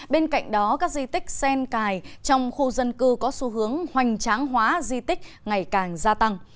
bên cạnh đó các di tích sen cài trong khu dân cư có xu hướng hoành tráng hóa di tích ngày càng gia tăng